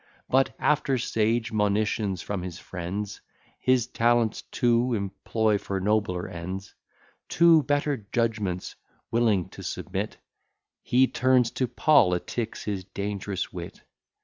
But, after sage monitions from his friends, His talents to employ for nobler ends; To better judgments willing to submit, He turns to politics his dang'rous wit.